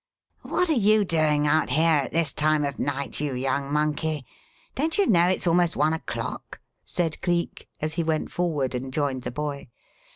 "What are you doing out here at this time of night, you young monkey? Don't you know it's almost one o'clock?" said Cleek, as he went forward and joined the boy.